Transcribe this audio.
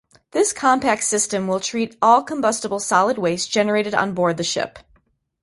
This compact system will treat all combustible solid waste generated on board the ship.